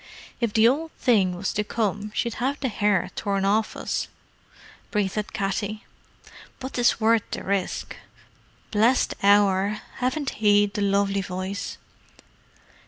"If the Ould Thing was to come she'd have the hair torn off of us," breathed Katty. "But 'tis worth the rishk. Blessed Hour, haven't he the lovely voice?"